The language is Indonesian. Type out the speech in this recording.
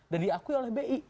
dan diakui oleh bi